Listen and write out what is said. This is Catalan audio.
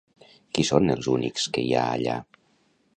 Qui són els únics que hi ha allà?